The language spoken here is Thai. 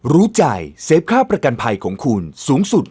รู้ใจเซฟค่าประกันภัยของคุณสูงสุด